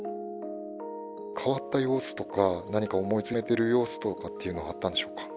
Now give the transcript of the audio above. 変わった様子とか、何か思い詰めてる様子とかいうのはあったんでしょうか。